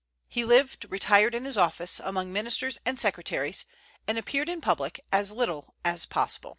He lived retired in his office, among ministers and secretaries, and appeared in public as little as possible.